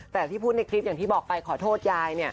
แต่ที่พูดในคลิปอย่างที่บอกไปขอโทษยาย